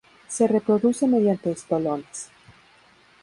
Se reproduce mediante estolones.